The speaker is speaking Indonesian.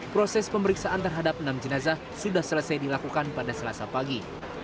proses pemeriksaan terhadap enam jenazah sudah selesai dilakukan pada selasa pagi